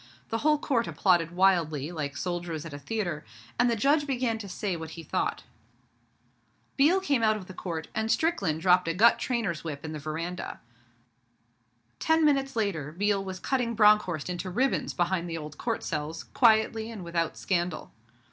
The whole Court applauded wildly, like soldiers at a theatre, and the Judge began to say what he thought. Biel came out of the Court, and Strickland dropped a gut trainer's whip in the veranda. Ten minutes later, Biel was cutting Bronckhorst into ribbons behind the old Court cells, quietly and without scandal.